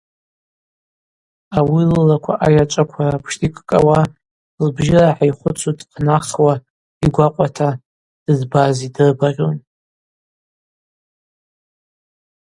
Ауи лылаква айачӏваква рапшта йкӏкӏауа, лбжьы рахӏа йхвыцу дхънахуа йгвакӏвата дызбаз йдрыбагъьун.